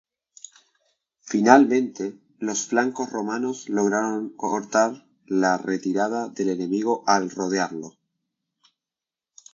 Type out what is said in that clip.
Finalmente, los flancos romanos lograron cortar la retirada del enemigo al rodearlo.